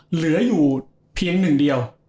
เหลืออยู่เพียงหนึ่งเดียว